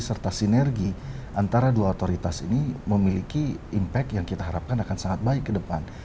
serta sinergi antara dua otoritas ini memiliki impact yang kita harapkan akan sangat baik ke depan